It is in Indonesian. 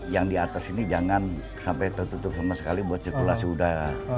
yang di atas ini jangan sampai tertutup sama sekali buat sirkulasi udara